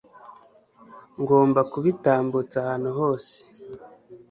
ngomba kubitambutsa ahantu hose